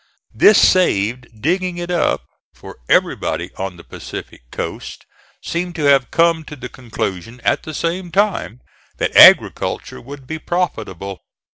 This saved digging it up, for everybody on the Pacific coast seemed to have come to the conclusion at the same time that agriculture would be profitable.